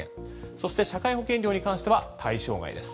そして社会保険料に関しては対象外です。